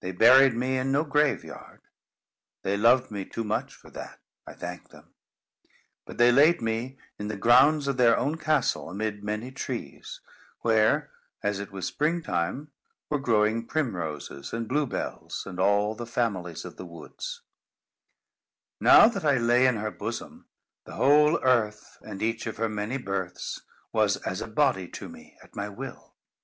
They buried me in no graveyard. They loved me too much for that, I thank them; but they laid me in the grounds of their own castle, amid many trees; where, as it was spring time, were growing primroses, and blue bells, and all the families of the woods Now that I lay in her bosom, the whole earth, and each of her many births, was as a body to me, at my will.